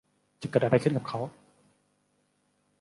จะเกิดอะไรขึ้นกับเค้า